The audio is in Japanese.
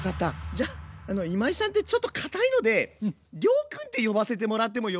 じゃ今井さんってちょっと堅いので亮くんって呼ばせてもらってもよろしいか？